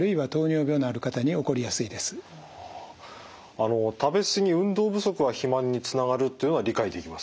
あの食べすぎ運動不足は肥満につながるというのは理解できます。